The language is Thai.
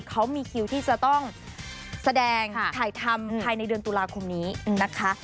เขามีคิวที่จะต้องแสดงถ่ายทำภายในเดือนตุลาคมนี้นะคะ